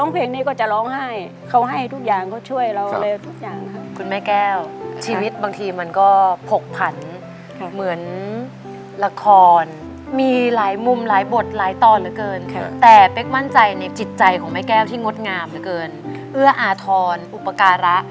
เป็นที่พักพิงให้นายามสุดท้ายใช่ให้คุณแม่ได้ผ่อนแรงนะ